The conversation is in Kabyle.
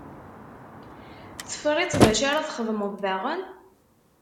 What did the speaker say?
Tefriḍ-tt dacu ara txedmeḍ daɣen?